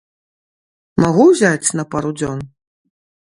Магу ўзяць на пару дзён?